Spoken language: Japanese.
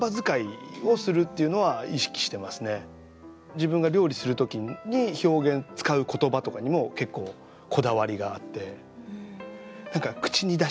自分が料理する時に表現使う言葉とかにも結構こだわりがあって。